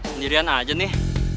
sendirian aja nih